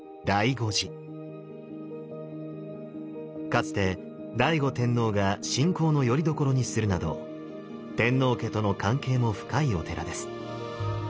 かつて醍醐天皇が信仰のよりどころにするなど天皇家との関係も深いお寺です。